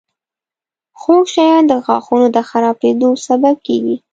• خوږ شیان د غاښونو د خرابېدو سبب کیږي.